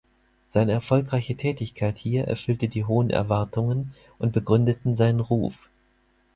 Seine erfolgreiche Tätigkeit hier erfüllte die hohen Erwartungen und begründeten seinen Ruf.